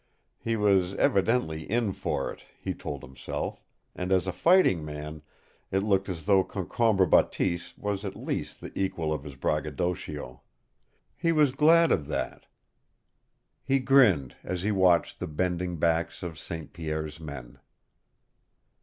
He was evidently in for it, he told himself, and as a fighting man it looked as though Concombre Bateese was at least the equal of his braggadocio. He was glad of that. He grinned as he watched the bending backs of St. Pierre's men.